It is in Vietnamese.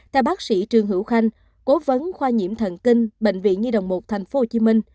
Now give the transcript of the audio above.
theo bác sĩ trương hữu khanh cố vấn khoa nhiễm thần kinh bệnh viện nhi đồng một tp hcm